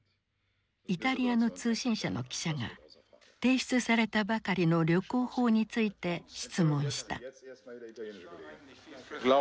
イタリアの通信社の記者が提出されたばかりの旅行法について質問した。